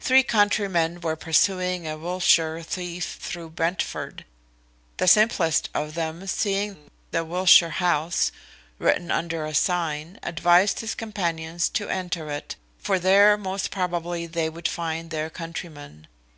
Three countrymen were pursuing a Wiltshire thief through Brentford. The simplest of them seeing "The Wiltshire House," written under a sign, advised his companions to enter it, for there most probably they would find their countryman.